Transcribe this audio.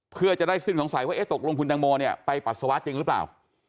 เพื่อจะได้สิ้นสงสัยว่าตกลงคุณตังโมเนี่ยไปปัสสาวะจริงหรือเปล่า